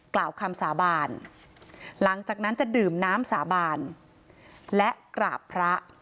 กล่าวคำสาบานหลังจากนั้นจะดื่มน้ำสาบานและกราบพระ